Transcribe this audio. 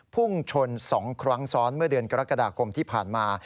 พุ่งชน๒ครั้งซ้อนเมื่อเดือนกรกฎาคมที่ผ่านมา